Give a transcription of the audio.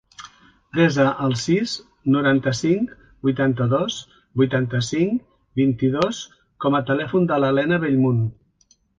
Desa el sis, noranta-cinc, vuitanta-dos, vuitanta-cinc, vint-i-dos com a telèfon de l'Elena Bellmunt.